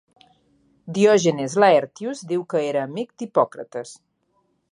Diògenes Laertius diu que era amic d'Hipòcrates.